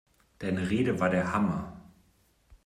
Deine Rede war der Hammer!